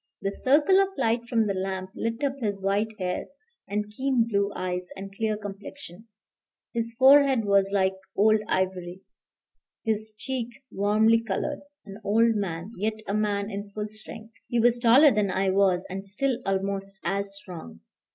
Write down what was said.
The circle of light from the lamp lit up his white hair and keen blue eyes and clear complexion; his forehead was like old ivory, his cheek warmly colored; an old man, yet a man in full strength. He was taller than I was, and still almost as strong.